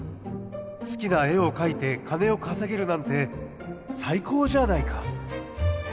好きな絵を描いて金を稼げるなんて最高じゃないか！」。